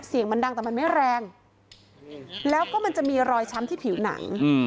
เสียงมันดังแต่มันไม่แรงแล้วก็มันจะมีรอยช้ำที่ผิวหนัง